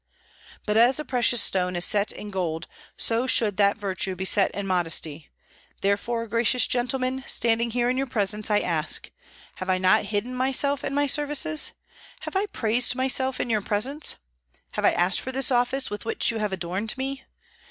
But as a precious stone is set in gold, so should that virtue be set in modesty; therefore, gracious gentlemen, standing here in your presence, I ask: Have I not hidden myself and my services? Have I praised myself in your presence? Have I asked for this office, with which you have adorned me?